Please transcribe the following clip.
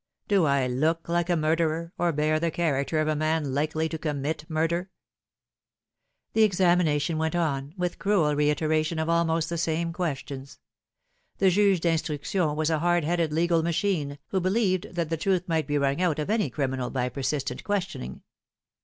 Do I look like a murderer, or bear the character of a man likely to commit murder ?" The examination went on, with cruel reiteration of almost the same questions. The Juge d'Instruction was a hard headed legal machine, who believed that the truth might be wrung out of any criminal by persistent questioning.